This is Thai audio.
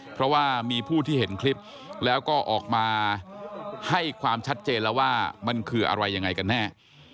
เพราะว่ามีผู้ที่เห็นคลิปแล้วก็ออกมาให้ความชัดเจนแล้วว่ามันคืออะไรยังไงกันแน่